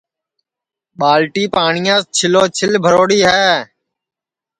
ٻالٹی پاٹِؔیاس چھِلو چھِل بھروڑی ہے